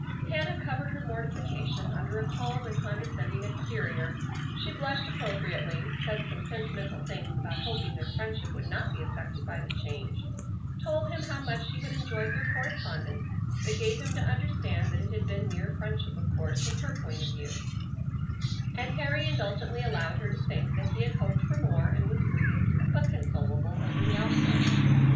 Hannah covered her mortification under a calm and condescending exterior. She blushed appropriately, said some sentimental things about hoping their friendship would not be affected by the change, told him how much she had enjoyed their correspondence, but gave him to understand that it had been mere friendship of course from her point of view, and Harry indulgently allowed her to think that he had hoped for more and was grieved but consolable over the outcome.